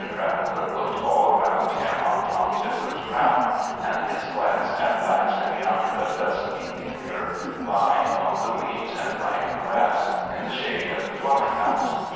Traveller looked all around him on Tom Tiddler's ground, and his glance at last encountered a dusky Tinker lying among the weeds and rank grass, in the shade of the dwelling house.